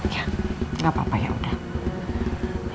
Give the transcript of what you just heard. ya gak apa apa yaudah